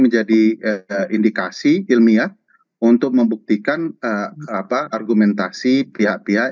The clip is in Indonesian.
menjadi indikasi ilmiah untuk membuktikan argumentasi pihak pihak